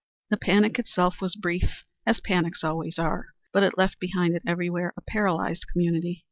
The panic itself was brief as panics always are, but it left behind it everywhere a paralyzed community.